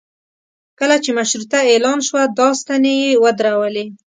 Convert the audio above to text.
کله چې مشروطه اعلان شوه دا ستنې یې ودرولې.